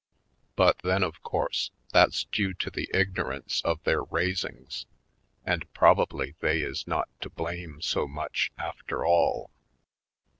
But then, of course, that's due to the ignorance of their raisings and probably they is not to blame so much after all.